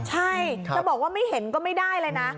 ใช่จะบอกว่าไม่เห็นก็ไม่ได้เลยนะ